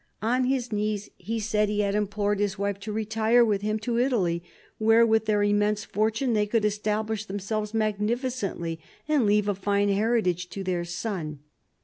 On his knees, he said, he had implored his wife to retire with him to Italy, where with their immense fortune they could establish themselves magnificently and leave a fine heritage to their son.